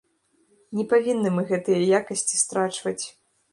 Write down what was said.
Не павінны мы гэтыя якасці страчваць.